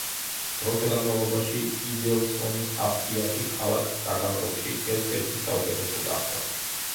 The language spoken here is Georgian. დროთა განმავლობაში იდელსონის აფთიაქი ქალაქ ტაგანროგში ერთ-ერთი საუკეთესო გახდა.